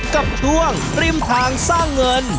กับช่วงริมทางสร้างเงิน